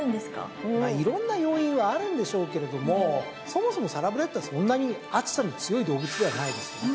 まあいろんな要因はあるんでしょうけれどもそもそもサラブレッドはそんなに暑さに強い動物ではないですよね。